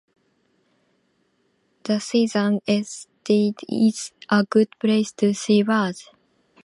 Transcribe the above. The Sizergh estate is a good place to see birds.